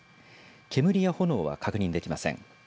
煙や炎は確認できません。